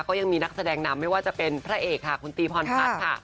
ก็ยังมีนักแสดงนำไม่ว่าจะเป็นพระเอกค่ะคุณตีพรพัฒน์ค่ะ